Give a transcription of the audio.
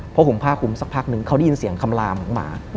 พอหุงผ้าคุมสักพักนึงเขาได้ยินเสียงคำลามของหมา